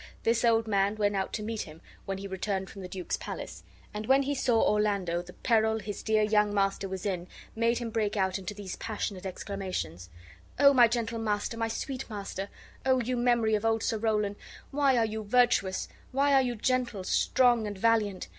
This old man went out to meet him when he returned from the duke's palace, and when he saw Orlando the peril his dear young master was in made him break out into these passionate exclamations: "O my gentle master, my sweet master! O you memory of Old Sir Rowland! Why are you virtuous? Why are you gentle, strong, and valiant?